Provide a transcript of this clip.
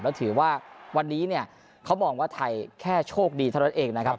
แล้วถือว่าวันนี้เขามองว่าไทยแค่โชคดีทันตัวเอกนะครับ